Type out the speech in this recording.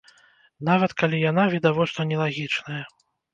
Нават калі яна відавочна нелагічная.